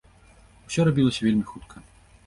Усё рабілася вельмі хутка.